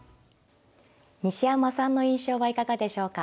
西山さんの印象はいかがでしょうか。